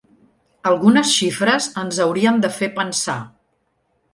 Algunes xifres ens haurien de fer pensar.